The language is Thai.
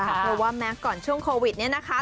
เพราะว่าแม้ก่อนช่วงโควิดเนี่ยนะคะ